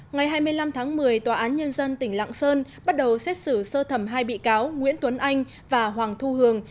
ngày hai mươi năm tháng một mươi tòa án nhân dân tỉnh lạng sơn bắt đầu xét xử sơ thẩm hai bị cáo nguyễn tuấn anh và hoàng thu hường